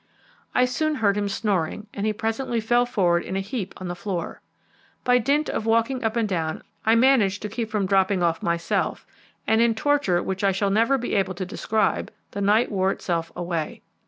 I soon heard him snoring, and he presently fell forward in a heap on the floor. By dint of walking up and down, I managed to keep from dropping off myself, and in torture which I shall never be able to describe, the night wore itself away.